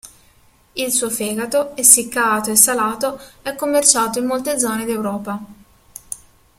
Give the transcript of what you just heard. Il suo fegato, essiccato e salato, è commerciato in molte zone d'Europa.